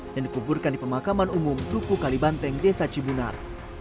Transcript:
dan dikuburkan di pemakaman umum ruku kalibanteng desa cibunar